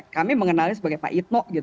kami mengenalnya sebagai pak yitno gitu